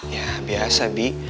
ya biasa bi